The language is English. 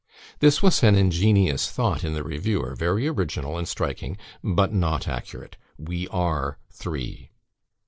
This was an ingenious thought in the reviewer, very original and striking, but not accurate. We are three.